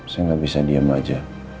saya gak bisa diam aja